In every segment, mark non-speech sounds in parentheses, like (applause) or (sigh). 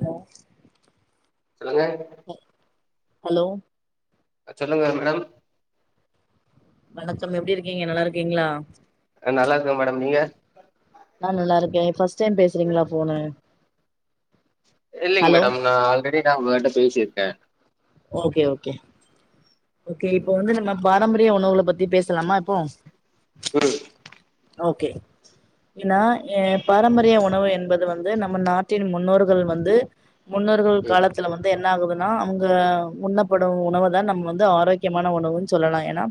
allow சொல்லுங்க hello அ சொல்லுங்க மேடம் வணக்கம் எப்டி இருக்கீங்க நல்லாருக்கீங்களா ஆ நல்லாருக்கே மேடம் நீங்க நா நல்லாருக்கே ஃபர்ஸ்ட் டைம் பேசுறீங்ளா ஃபோனு இல்லிங் ஹலோ மேடம் நா ஆல்ரெடி நா உங்கள்ட்ட பேசிர்க்கே ஓகே ஓகே ஓகே இப்போ வந்து நம்ம பாரம்பரிய உணவுகள பத்தி பேசலாமா இப்போ ம் ஓகே ஏன்னா ஏ பாரம்பரிய உணவு என்பது வந்து நம்ம நாட்டின் முன்னோர்கள் வந்து முன்னோர்கள் காலத்துல வந்து என்ன ஆகுதுன்னா அவங் க உண்ணப்படும் உணவு தா நம்ம வந்து ஆரோக்கியமான உணவுன்னு சொல்லலா ஏன்னா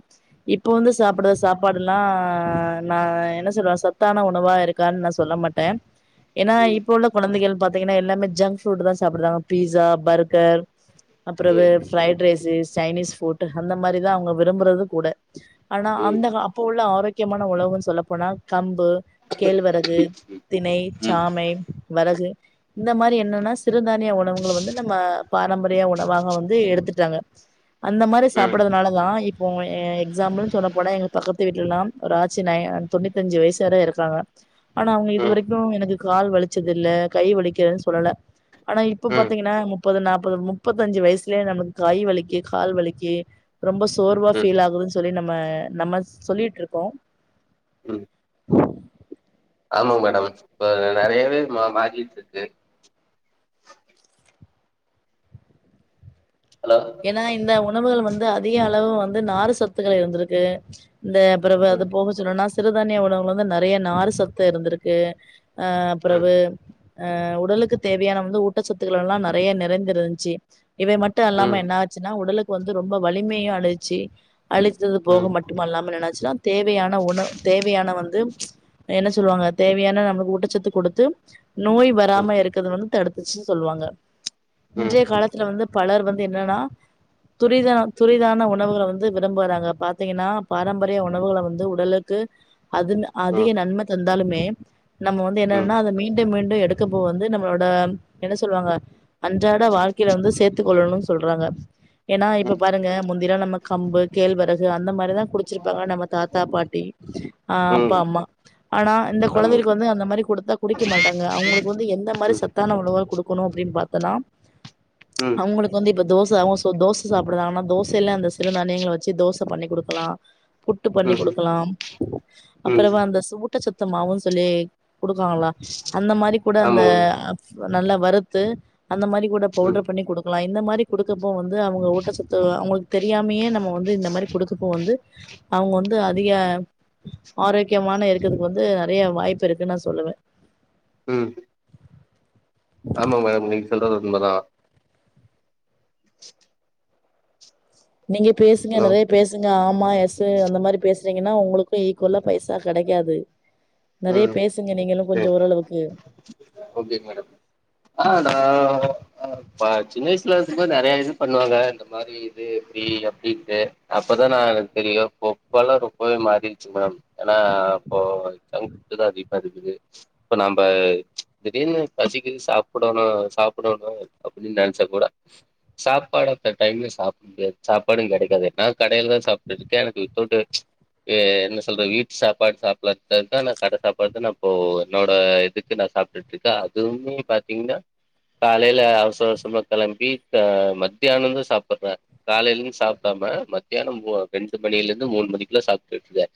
இப்போ வந்து சாப்புட சாப்பாடுல்லா நா என்ன சொல்ற சத்தான உணவா இருக் கான் நா சொல்ல மாட்டே ஏன்னா ம் இப்போ உள்ள குழந்தைகள் பாத்தீங்கன்னா எல்லாமே ஜங்க் ஃபுட் தா சாப்புடுத்தாங்க பீஸா பர்கர் அப்ற வே ம் ஃப்ரைட்டு ரைஸ் சைனீஸ் ஃபுட் அந்த மாரிதா அவங்க விரும்பறது கூட ஆனா அந்த அப்ப உள்ள ஆரோக்கியமான உணவுன் சொல்லப்போனா கம்பு கேழ்வரகு தினை சாமை வரகு இந்த மாரி என்னன்னா சிறுதானிய உணவுங்க வந்து நம்ம பாரம்பரிய உணவாக வந்து எடுத்துட்டாங்க அந்த மாரி ம் ம் சாப்புடனாலதா இப்போ எக்ஸாம்பிள்ன் சொல்ல போனா எங்க பக்கத்து வீட்டுலல்லா ஒரு ஆச்சி நய தொண்ணூத்தி அஞ்சி வயசு வர இருக்காங்க ஆனா அவங்க ம் இது ம் வரைக்கு எனக்கு கால் வலிச்சது இல்ல கை வலிக்கிறேன்னு சொல்லல ஆனா இப்ப பாத்தீங்கன்னா முப்பது நாப்பது முப் பத்தஞ்சு வயசுலயே நமக்கு கை வலிக்கு கால் வலிக்கு ரொம்ப சோர்வாக ம் ம் ஃபீல் ஆகுது தோழி நம்ம நம்ம சொல்லிட்ருக்கோ ஆமா மேடம் இப்ப நெறையவே மா மாரிட்ருக்கு ஹலோ ஏன்னா இந்த உணவுகள் வந்து அதிக அளவு வந்து நாறு சத்துக்கள் இருந்துருக்கு இந்த பிறவு அது ம் போக சொல்லும்னா சிறுதானிய உணவுல வந்து நெறைய நார் சத்து இருந்திருக்கு அ ம் பிறவு அ உடலுக்கு தேவையான வந்து ஊட்டச்சத்துக்கள் எல்லா நெறைய நெறஞ்சிருந்துச்சி இவை மட்டு அல்லாம ம் என்ன ஆச்சுன்னா உடலுக்கு வந்து ரொம்ப வலிமை அழிச்சு அழித்தது போக ம் ம் மட்டும் அல்லாம எனாசுன்னா தேவையான உணவு தேவையான வந்து என்ன சொல்வாங்க தேவையான நம்மளுக்கு ஊட்டச்சத்து குடுத்து நோய் வராம இருக்கறது வந்து தடுத் துச்சி சொல்வாங்க ம் இன்றைய காலத்துல வந்து பலர் வந்து என்னன்னா துரிதான துரிதான உணவுகள வந்து விரும்புறாங்க பாத்தீங்ன்னா பாரம்பரிய உணவுகள வந்து உடலுக்கு அது அதிக ம் நன்ம தந்தாலுமே நம்ம வந்து ம் ம் என்னன்னா அத மீண்டு மீண்டு எடு க்கப்போ வந்து நம்மளோட என்ன சொல்லுவாங்க அன்றாட வாழ்க்கையில வந்து சேர்த்து கொள்ளணு சொல்றாங்க ஏன்னா இப்ப பாருங்க முந்திலா நம்ம கம்பு கேழ்வரகு அந்த மாரிதா குடிச்சிருப்பாங்க நம்ம தாத்தா பாட்டி ஆ ம் அப்பா அம்மா ஆனா இந்த ஆமா ம் குழந்தைளுக்கு வந்து அந்த மாரி குடுத்தா குடிக்க மாட்டாங்க அவங்களுக்கு வந்து எந்த மாரி சத்தான உணவுகள் குடுக்கணு அப்டின்னு பாத்தன்னா அவுங்ளுக் வந்து இப்ப தோச அவங்க தோச சாப்புடுதாங்கன்னா தோசைல்ல அந்த சிறுதானியங்க வச்சு தோச பண்ணி குடுக்கலா புட்டு பண்ணி ம் ம் குடுக்கலாம் ம் அப்றமா அந்த ஊட்டச்சத்துமாவுன் சொல்லி குடுக்காங்ளா அந்த மாரி கூட அந்த ஆமாங்க நல்லா வறுத்து அந்த மாரி கூட ம் பவுடர் பண்ணி குடுக் கலா இந்த மாரி குடுக்கப்போ வந்து அவங்க ஊட்டச்சத்து அவங்ளுக் தெரியாமையே நம்ம வந்து இந்த மாரி குடுக்கப்போ வந்து அவங்க வந்து அதிக ஆரோக்கியமான இருக்கதுக்கு வந்து நெறைய வாய்ப்பு இருக்குன்னு நா சொல்லுவே ம் ஆமா மேம் நீங்க சொல்றது உண்ம தா நீங்க ஹலோ பேசுங்கனதே பேசுங்க ஆமா எஸ் அந்த மாரி பேசுறீங்கன்னா உங்களுக்கு ஈக்குவலா பைசா கடைக்காது நறைய ம் பேசுங்க நீங்களு கொஞ்சோ ஓரளவுக்கு ஓகேங் மேடம் ஆ நா அ ப்பா சின்ன வயசுல இருக்கு போது நறையா இது பண்ணுவாங்க இந்த மாரி இது எப்டி அப்டின்னுட்டு அப்பதான நா எனக்கு தெரியு பொப் இபெல்லா ரொம்பவே மாறிருச்சு மேடம் ஏன்னா அப்போ ஜங்க் ஃபுட்டு தா அதிப்பா இருக்குது இப்ப நம்ப திடீர்னு பசிக்குது சாப்புடணு சாப்புடணு அப்டின்னு நெனச்சா கூட சாப்பாடு அடுத்த டைம்லே சாப்பு முடியாது சாப்பாடு கெடைக்காது நா கடையில தா சாப்டுட்டு இருக்கே எனக்கு வித்தவுட் ஆ என்ன சொல்றது வீட்டு சாப்பாடு சாப்புலானு (unintelligible) தா நா கட சாப்பாடு தா நா அப்போ என்னோட இதுக்கு நா சாப்ட்டுட்டு இருக்கே அதுவுமே பாத்தீங்கன்னா காலையில அவசர அவசரமா கெளம்பி இப்ப மத்தியானம்ந்தா சாப்பறே காலையில இருந்து சாப்ட்டாம மதியான மூ ரெண்டு மணியில இருந்து மூணு மணிக்குள்ள சாப்ட்டுட்டு இருக்கே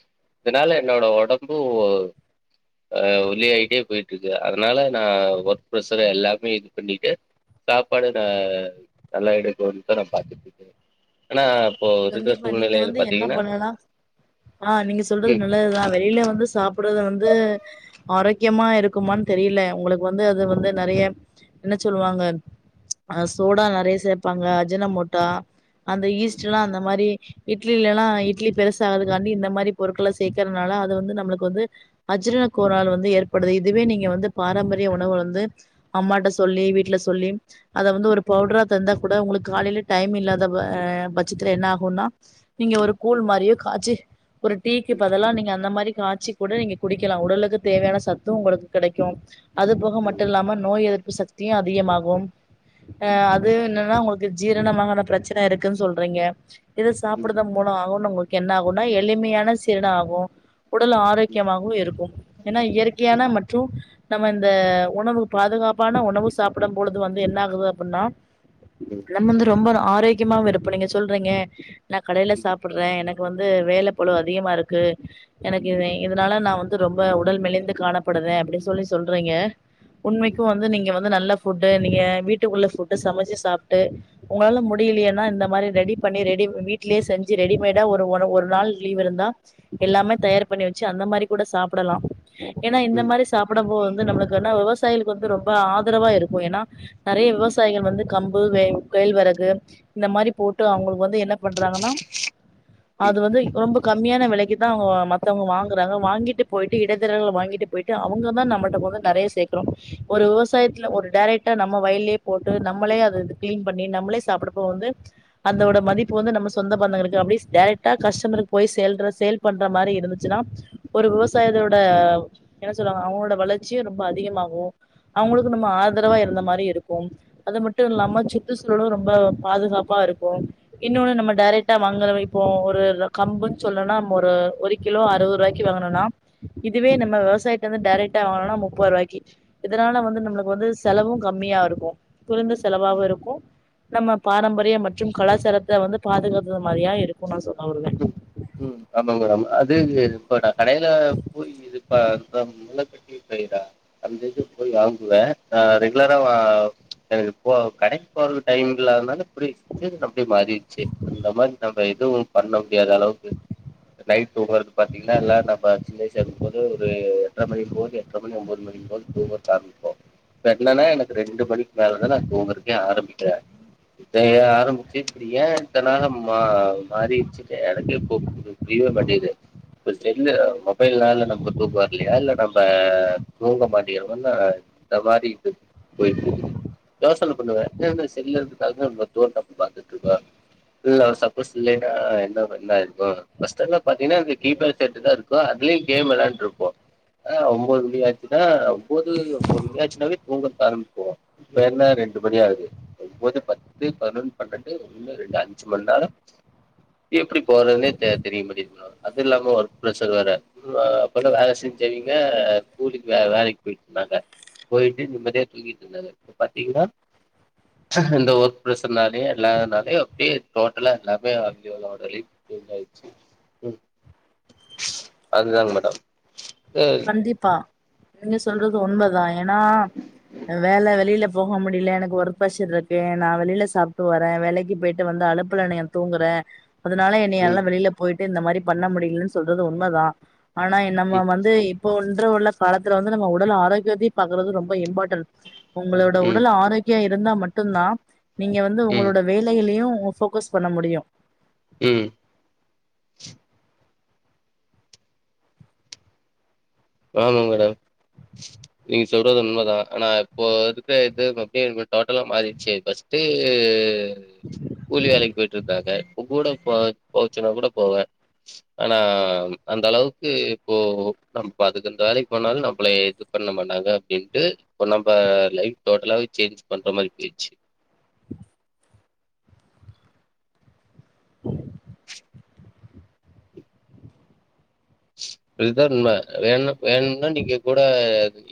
இதனால என்னோட ஒடம்பு அ ஒல்லி ஆய்ட்டே போய்ட்டு இருக்கு அதனால நா ஒர்க் ப்ரஷர் எல்லாமே இது பண்ணிட்டு சாப்பாடு நா நல்லா எடுக்குன்னு தா நா பாத்துட்டு இருக்கே கண்டிப்பா நீங்க வந்து என்ன பாத்தீங்கன்னா பண்ணலா ஆ நீங்க சொல்றது ம் நல்லதுதா வெளில வந்து சாப் சாப்புடுறது வந்து ஆரோக்கியமா இருக்கும்மான்னு தெரியில உங்களுக்கு வந்து அது வந்து நறைய என்ன சொல்லுவாங்க அ சோடா நறைய சேப்பாங்க அஜின மோட்டா அந்த ஈஸ் அந்த மாரி இட்லிலலா இட்லி பெருசா ஆகறத்துக்காண்டி இந்த மாரி பொருட்கள சேக்கறனால அத வந்து நம்மளுக்கு வந்து அஜிரண கோளாறு வந்து ஏற்படுது இதுவே நீங்க வந்து பாரம்பரிய ம் உணவு வந்து அம்மாட்ட சொல்லி வீட்டுல சொல்லி அத வந்து ஒரு பவுட்ரா தந்தா கூட உங்களுக்கு காலையில டைம் இல்லாத ப பட் சத்ல என்னா ஆகும்ன்னா நீங்க ஒரு கூழ் மாரியே காச்சி ஒரு டீக்கு ம் பதிலா நீங்க அந்த மாரி காய்சி கூட நீங்க குடிக்கலா உடலுக்கு தேவையான சத்து உங்களுக்கு கடைக்கு அதுபோக ம் மட்டு இல்லாம நோய் எதிர்ப்பு சக்தியு அதிகமாகு ஆ ம் ம் அ துவே என்னன்னா உங்களுக்கு ஜீரணமாகாத ப்ரச்சன இருக்குன்னு சொல்றீங்க இத ம் ம் சாப்பிடுத மூலம் அவ உங்க என்ன ஆகும்னா எளிமையான சீரன ஆகு உடல் ம் ஆரோக்கியமாவு இருக்கு ஏன்னா ம் இயற்கையான ம் மற்று நம்ம இந்த உணவு பாதுகாப்பான உணவு சாப்பிடு பொழுது வந்து என்ன ஆகுது அப்டின்னா நம்ம வந்து ரொம்ப ஆரோக்கியமாவு இருப்போ நீங்க சொல்றீங்க நா கடையில சாப்ட்டுறே எனக் கு வந்து வேல பழு அதிகமா இருக்கு எனக்கு இது இதனால நா வந் து ரொம்ப உடல் மெலிந்து காணப்படுறே அப்டின்னு சொல்லி சொல்றீங்க உண்மைக்கு வந்து நீங்க வந்து நல்ல ஃபுட்டு நீங்க வீட்டுக்குள்ள ஃபுட்டு சமச்சு சாப்ட்டு உங்களால முடியலையேன்னா இந்த மாரி ரெடி பண்ணி ரெடி வீட்டுலேயே செஞ்சு ரெடிமேடா ஒரு ஒரு ஒரு நாள் லீவ் இருந்தா எல்லாமே தயார் பண்ணி வச்சு அந்த மாரி கூட சாப்டலா ஏன்னா ம் இந்த ம் மாரி சாப்ட்ட போது வந்து நம்மளுக்கு என்ன விவசாயிகளுக்கு வந்து ரொம்ப ஆதரவா இருக்கு ஏன்னா நறைய ம் விவசாயிகள் வந்து கம்பு வே கோழ்வரகு இந்த மாரி போட்டு அவுங்களுக்கு வந்து என்ன பண்றாங்கன்னா ம் அது வந்து ரொம்ப கம்மியான விலைக்கு தா அவுங்க மத்தவங்க வாங்கு றாங்க வாங்கிட்டு போய்ட்டு இடைத்தரர்கள் வாங்கிட்டு போய்ட்டு அவுங்க தா நம்மள்ட கொண்டு நறைய சேக்கறோ ஒரு விவசாயத்துல ஒரு ட்ரைக்டா நம்ம வயல்லே போட்டு நம்மளே அத இது கிளீன் பண்ணி நம்மளே சாப்ட்டப்போ வந்து அந்தோட மதிப்பு வந்து நம்ம சொந்த பந்தங்களுக்கு அப்டி ட்ரைக்டா கஸ்டமருக்கு போய் சேல்ற சேல் பண்ற மாரி இருந்துச்சுன்னா ஒரு விவசாயத்தோட என்ன சொல்லுவாங்க அவுங்களோட வளர்ச்சியு ரொம்ப அதிகமாகு அவுங்களுக்கு நம்ம ஆதரவா இருந்த மாரி இருக்கு அது மட்டு இல்லாம சுற்றுச்சூழலு ரொம்ப பாதுகாப்பாருக் இன்னொன்னு நம்ம டாரெக்ட்டா மங்கல வைப்போ ஒரு கம்புன் சொல்லுனா நம்ப ஒரு ஒரு கிலோ அறுவது ரூவாய்க்கு வாங்கணுனா இதுவே நம்ம விவசாயத்த வந்து டாரைக்ட்டா வாங்கனா முப்பது ரூவாய்க்கு இதனால வந்து நம்ளுக்கு வந்து செலவு கம்மியா இருக்கு குறைந்த செலவாவு இருக்கு நம்ம பாரம்பரிய மற்றும் கலாச்சாரத்த வந்து பாதுகாத்தது மாரியா இருக்குன் நா சொல்ல வருவே உம் ஆமாங்க மேடம் அது இப்ப நா கடைல போய் இதுப்ப பண்றோ அஞ்சஞ்சு போய் வாங்குவே ஆ ரெகுலரா வா எனக் இப்போ கடைக்கு போறதுக் டைம் இல்லாத நால இப்டி இருந்து அப்டி மாறிருச்சு அந்த மாரி நம்ம எதுவு பண்ண முடியாத அளவுக்கு நைட் தூங்கறது பாத்தீங்னா எல்லா நம்ப சின்ன வயசுல இருக்கும்போது ஒரு எட்ர மணி போது எட்ர மணி ஒம்போது மணி இருந்தாலு தூங்க சாதிப்போ இப்ப என்னென்னா எனக் ரெண்டு மணிக் மேலதா நா தூங்கறதுக்கே ஆரமிக்கறே இப்பயே ஆரமிச்சு பீரியா இருந்தன்னா நம்ம மாறி வெச்சுட்டு எனக்கே இப்போ புரு புரியவே மாட்டிக்து இப்ப செல்லு மொபைல்னால நம்ப தூக்க வர்லையா இல்ல நம்ப தூங்க மாட்டேங்கிறோம்மா இல்ல இந்த மாரி இது போயிட்டு இருக்குது யேசன பண்ணுவே ஏ இந்த செல்லருந்து பாக்கனு (unintelligible) பாத்துட்டு இருக்கோ இல்ல சப்போஸ் இல்லைன்ன என்ன என்னாயிருக் ம் பஸ்ட் எல்லா பாத்தீங்னா இந்த கீபேட் செட் தா இருக்கு அதுலே கேம் வெளாண்டுட்டிருப்போ ஆஹ ஒம்போது மணி ஆச்சுன்னா ஒம்போது ஒம்போது மணி ஆச்சுனாவே தூங்கறதுக் ஆரமிப்போ இப்ப என்ன ரெண்டு மணி ஆகுது ஒம்போது பத்து பதினொன்னு பண்னெண்டு ஒன்னு ரெண்டு அஞ்சுமண்ணேரோ எப்டி போறதுனே சரியா தெரிய மாட்டிங்கிது மேடம் அது இல்லாம ஒர்க் ப்ரஷர் வேற இவங்க அப்ப தா வேல செஞ்சவிங்க கூலிக்கு வே வேலைக் போயிட்டு இருந்தாங்க போயிட்டு நிம்மதியா தூங்கிட்டு இருந்தாங்க இப்ப பாத்தீங்னா இந்த ஒர்க் ப்ரஷர்னாலே இல்லாதனாலே அப்டியே டோட்டலா எல்லாமே அவிங்களோட லீவ் இதாயிருச்சு ம் அதுதாங்க மேடம் கண்டிப்பா நீங்க சொல்றது உண்மதா ஏனா வேல வெளில போக முடில எனக் ஒர்க் ப்ரஷர்ருக்கு நா வெளில சாப்ட்டு வரே வேலைக்கு போயிட்டு வந்து அழுப்புல என்னைய தூங்குறே அதனால ம் என்னையால வெளில போயிட்டு இந்த மாரி பண்ண முடியலன் சொல்றது உண்மதா ஆனா என்ன நம்ம ம் வந்து இப்போ ஒன்று உள்ள காலத்துல வந்து நம்ப உடல் ஆரோக்கியத்தையு பாக்குறது ரொம்ப இம்பார்டன்ட் உங்களோட ம் உடல் ஆரோக்கியா இருந்தா மட்டுந்தா நீங்க வந்து ம் உங்களோட வேலையிலையு போக்கஸ் பண்ண முடியு ம் ஆமா மேடம் நீங்க சொல்றது உண்ம தா ஆனா இப்போ இருக்கற இது அப்டியே டோட்டலா மாறிருச்சு ஃபஸ்ட்டு கூலி வேலைக் போயிட்டு இருந்தாங்க இப்ப கூட போ போச்சுன்னா கூட போவே ஆனா அந்த அளவுக்கு இப்போ இப்ப அதுக் இந்த வேலைக்கு போனாலு நம்பளே இது பண்ண மாட்டாங்க அப்டின்ட்டு இப்ப நம்ப லைப் டோட்டலாவே சேஞ்ச் பண்ற மாரி போயிருச்சு இது தா உண்ம வேணு வேணும்னா நீங்க கூட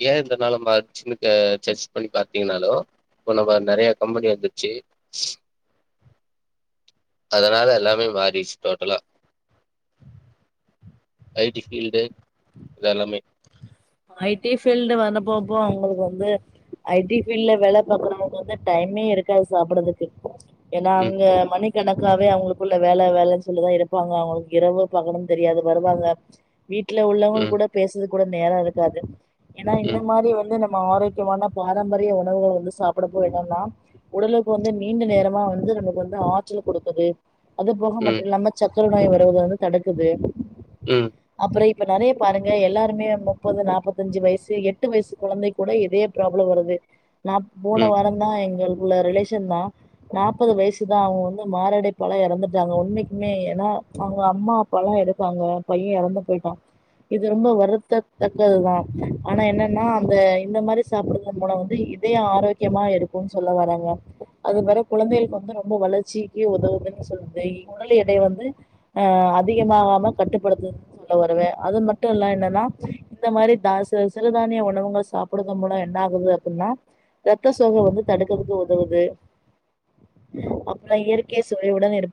ஏ இந்த நெளம சின்னது சர்ச் பண்ணி பாத்தீங்னாலு இப்ப நம்ப நெறையா கம்பெனி வந்துருச்சு (inaudible) அதனால எல்லாமே மாறிருச்சு டோட்டலா ஐ டி ஃபீல்ட்டு இது எல்லாமே ஐ டி ஃபீல்டு வந்துப்போப்போ ஒங்களுக்கு வந்து ஐ டி ஃபீல்ட்ல வேல பாக்குறவங்க வந்து டைமே இருக்காது சாப்டதுக்கு ஏன்னா ம், அங்க மணி கணக்காவே அவுங்களுக்குள்ள வேல வேலன்னு சொல்லிதா இருப்பாங்க அவுங்களுக்கு இரவு பகலு தெரியாது வருவாங்க வீட்ல உள்ளவங்க ம், கூட பேசுது கூட நேரோ இருக்காது ஏன்னா இந்த ம், மாரி வந்து நம்ம ஆரோக்கியமான பாரம்பரிய உணவுகள் வந்து சாப்ட போனம்ன்னா உடலுக்கு வந்து நீண்ட நேரமா வந்து நமக்கு வந்து ஆற்றல் குடுக்குது அது போக மட்டு ம், இல்லாம சக்கர நோய வருவது வந்து தடுக்குது ம் அப்பறோ இப்ப நெறய பாருங்க எல்லாருமே வந்து முப்பது நாபத்தஞ்சு வயசு எட்டு வயசு கொழந்தைக்கு கூட இதய ப்ராப்ளம் வருது நா போன ம் வாரந் தா எங்க உள்ள ரிலேஷன் தா நாப்பது வயசுதா அவுங்க வந்து மாரடைப்பால எறந்துட்டாங்க உண்மைக்குமே ஏன்னா அவுங்க அம்மா அப்பாலா இருக்காங்க பைய எறந்து போயிட்டா இது ரொம்ப வருத்த தக்கது தா ஆனா என்னன்னா அந்த இந்த மாரி சாப்புடுவதன் மூலம் வந்து இதய ஆரோக்கிய க்கியமா இருக்கும்ன் சொல்ல வறாங்க அது பிற குழந்தைகளுக்கு வந்து ரொம்ப வளர்ச்சிக்கு உதவுதுன் சொல்து உடல் எடை வந்து ஆ அதிகமாகாம கட்டுப்படுத்துதுன் சொல்ல வருவே அது மட்டு இல்லா என்னன்னா இந்த மாரி தா சிறுதானிய உணவுங்கள் சாப்பிடுறது மூலம் என்ன ஆகுது அப்டின்னா ரத்த சோக வந்து தடுக்குறதுக்கு உதவுது அப்றோ இயற்கை சுவையுடன் இருக்